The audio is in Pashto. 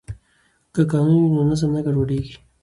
که قانون وي نو نظم نه ګډوډیږي.